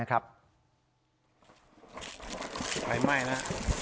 ปลายไหม้นะ